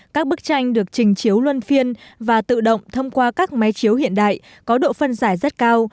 các bức tranh được trình chiếu luân phiên và tự động thông qua các máy chiếu hiện đại có độ phân giải rất cao